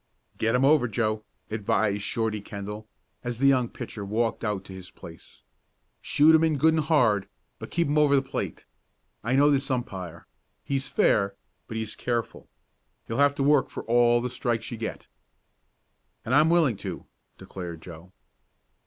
"Get 'em over, Joe," advised Shorty Kendall, as the young pitcher walked out to his place. "Shoot 'em in good and hard, but keep 'em over the plate. I know this umpire. He's fair, but he's careful. You'll have to work for all the strikes you get." "And I'm willing to," declared Joe.